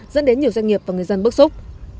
dẫn đến nhiều doanh nghiệp và người dân bức xúc